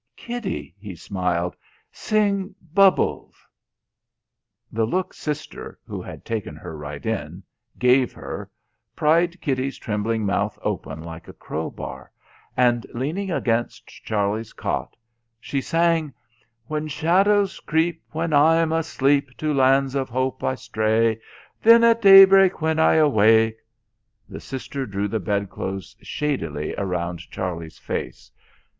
"Kitty!" he smiled, "sing 'Bubbles.'" The look Sister who had taken her right in gave her, pried Kitty's trembling mouth open like a crowbar, and leaning against Charlie's cot she sang "When shadows creep, When I'm asleep, To lands of hope I stray, Then at daybreak, when I awake...." The Sister drew the bed clothes shadily round Charlie's face.